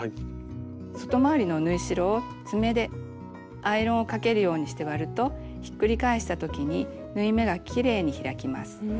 外回りの縫い代を爪でアイロンをかけるようにして割るとひっくり返したときに縫い目がきれいに開きます。